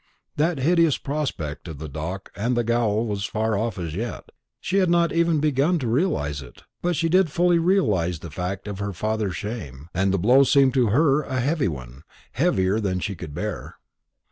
That hideous prospect of the dock and the gaol was far off as yet; she had not even begun to realise it; but she did fully realise the fact of her father's shame, and the blow seemed to her a heavy one, heavier than she could bear.